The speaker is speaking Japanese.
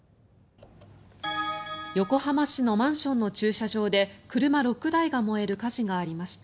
横浜市のマンションの駐車場で車６台が燃える火事がありました。